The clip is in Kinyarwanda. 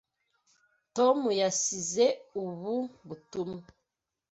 Tom yasize ubu butumwa.